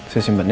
saya simpen ya